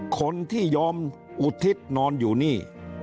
คนที่ยอมอุทิศนอนอยู่นี่